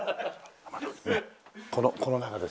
この中ですね。